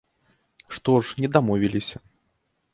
Што ж, не дамовіліся.